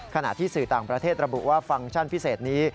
ขณะที่สื่อต่างประเทศระบุว่าฟังก์ชั่นพิเศษนี้